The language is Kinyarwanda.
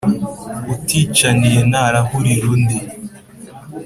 Uticaniye ntarahurira undi.